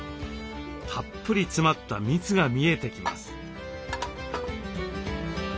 たっぷり詰まった蜜が見えてきます。